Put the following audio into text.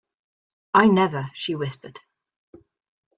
"I never," she whispered.